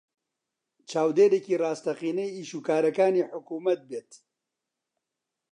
چاودێرێکی ڕاستەقینەی ئیشوکارەکانی حکوومەت بێت